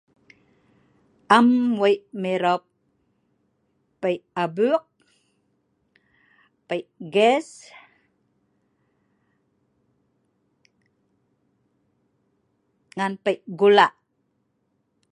Am wei' mirop pei' abuuk, pei' gas ngan pei' gula.